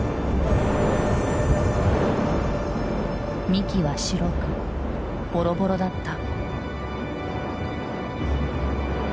幹は白くボロボロだった。